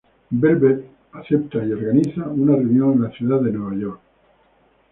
Velvet acepta y organiza una reunión en la ciudad de Nueva York.